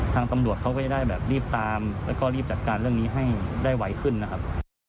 ทางตำรวจเขาก็จะได้แบบรีบตามแล้วก็รีบจัดการเรื่องนี้ให้ได้ไวขึ้นนะครับ